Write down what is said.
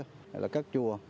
hay là các chùa